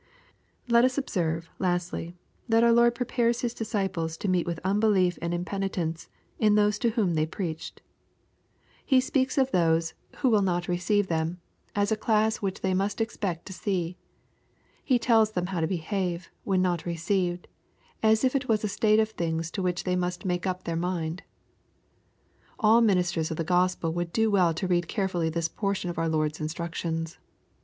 Let us observe, lastly, that our Lord prepares His ^ disciples to meet with unbelief and impenitence in those io whom they preached. He speaks of those " who will 294 EXPOSITOBT THOUQHTS. iiot receive them'' as a class which thej mast expect to see. He tells them how to behave, when not received, as if it was a state of things to which they must make Mp their mind. All ministers of the Gospel would do well to read carefully this portion of our Lord's instructions.